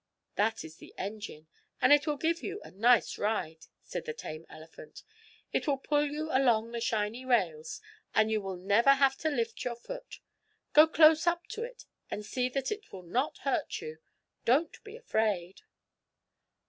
"That is the engine, and it will give you a nice ride," said the tame elephant. "It will pull you along the shiny rails, and you will never have to lift your foot. Go close up to it, and see that it will not hurt you. Don't be afraid!"